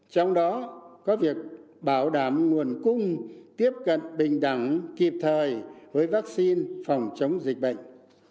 trong đó có việc bảo đảm nguồn cung tiếp cận bình đẳng kịp thời với vaccine phòng chống dịch bệnh